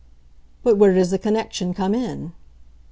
"But where does the connection come in?"